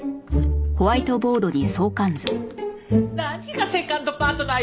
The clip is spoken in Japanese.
何がセカンドパートナーよ。